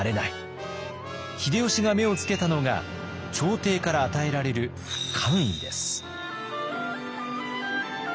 秀吉が目をつけたのが朝廷から与えられる官位です。